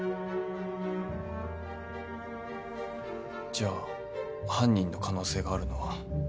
じゃあ犯人の可能性があるのは。